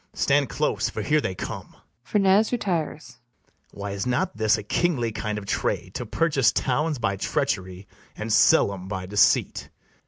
Stand close, for here they come. [FERNEZE retires.] Why, is not this A kingly kind of trade, to purchase towns By treachery, and sell 'em by deceit?